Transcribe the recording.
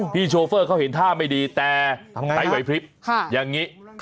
โชเฟอร์เขาเห็นท่าไม่ดีแต่ไปไหวพลิบอย่างนี้